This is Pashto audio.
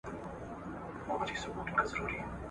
چي یې ومانه خطر وېره ورکیږي !.